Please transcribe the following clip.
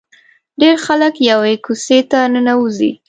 ډېر خلک یوې کوڅې ته ننوځي.